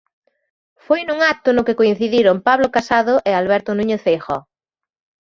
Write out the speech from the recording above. Foi nun acto no que coincidiron Pablo Casado e Alberto Núñez Feijóo.